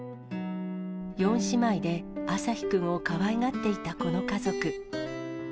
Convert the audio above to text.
四姉妹であさひくんをかわいがっていたこの家族。